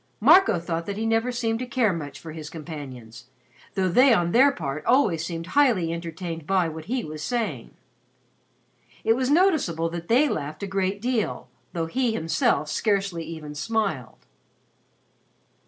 Marco thought that he never seemed to care much for his companions, though they on their part always seemed highly entertained by what he was saying. It was noticeable that they laughed a great deal, though he himself scarcely even smiled.